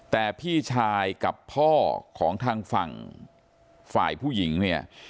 แต่พี่ชายกับพ่อของทางฝั่งฝ่ายผู้หญิงเนี่ย